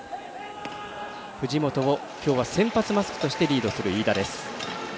藤本を今日は先発マスクとしてリードする飯田です。